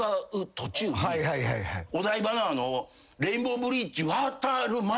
お台場のレインボーブリッジ渡る前ぐらいかな。